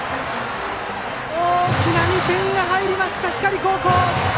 大きな２点が入りました、光高校。